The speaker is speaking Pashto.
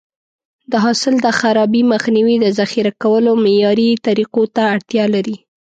د حاصل د خرابي مخنیوی د ذخیره کولو معیاري طریقو ته اړتیا لري.